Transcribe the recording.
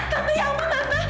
tante ya ampun tante